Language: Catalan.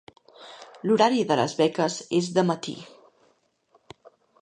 L'horari de les beques és de matí.